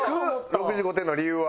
６５点の理由は？